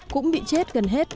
cũng bị chết gần hết